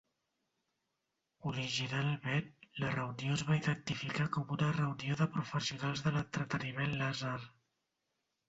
Originalment, la reunió es va identificar com una reunió de Professionals de l'entreteniment làser.